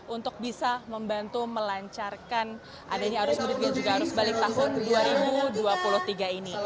untuk bisa membantu melancarkan adanya arus mudik dan juga arus balik tahun dua ribu dua puluh tiga ini